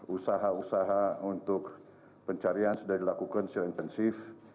usaha usaha untuk pencarian sudah dilakukan secara intensif